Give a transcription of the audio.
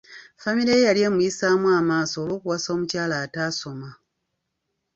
Famire ye yali emuyisaamu amaaso olw'okuwasa omukyala ataasoma.